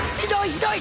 ひどい！